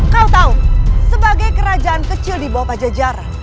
kau tahu sebagai kerajaan kecil di bawah pajajaran